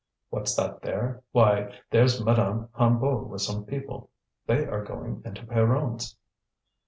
"What's that there? Why, there's Madame Hennebeau with some people. They are going into Pierronne's."